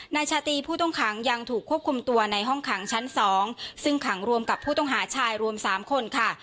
นายชาตรีผู้ต้องขังยังถูกควบคุมตัวในห้องขังชั้น๒ซึ่งขังรวมกับผู้ต้องหาชายรวม๓คนค่ะ